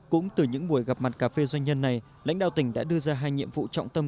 cũng từ những buổi gặp mặt cà phê doanh nhân này lãnh đạo tỉnh đã đưa ra hai nhiệm vụ trọng tâm